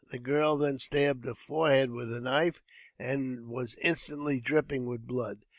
The girl then stabbed her forehead with a knife, and was instantly dripping with blood.